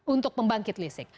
untuk pembangkit listrik